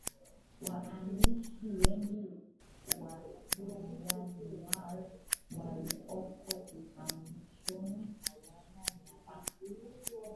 Waandishi wengi wa Myanmar walioko uhamishoni hawana nyaraka